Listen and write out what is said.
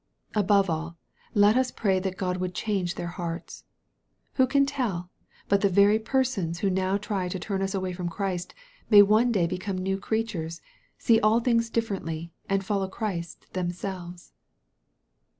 Above all, let us pray that God would change their hearts. Who can tell but the very per sons who now try to turn us away from Christ, may one day become new creatures, see all things differently, and follow Christ themselves